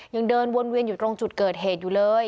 ยังเดินวนเวียนอยู่ตรงจุดเกิดเหตุอยู่เลย